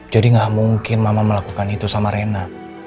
jadi gak mungkin mama melakukan itu sama rena